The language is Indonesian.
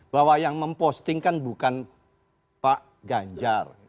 bahwa yang memposting kan bukan pak ganjar